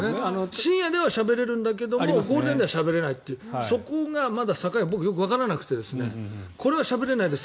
深夜ではしゃべれるんだけどゴールデンではしゃべれないというそこがまだ境が僕よくわからなくてこれはしゃべれないです